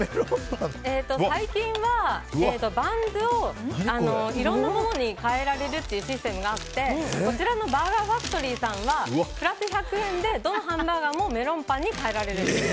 最近はバンズをいろんなものに替えられるというシステムがあってこちらのＢｕｒｇｅｒＦａｃｔｏｒｙさんはプラス１００円でどのハンバーガーもメロンパンに替えられる。